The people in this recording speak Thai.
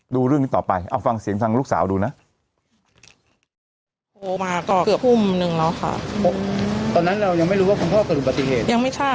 ดูเรื่องนี้ต่อไปเอาฟังเสียงทางลูกสาวดูนะ